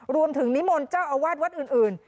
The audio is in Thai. รวมถึงนิมนต์เจ้าอวัดวัดอื่น